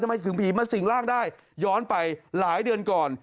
ทำไมถึงผีมาสิ่งร่างได้ย้อนไปหลายเดือนก่อน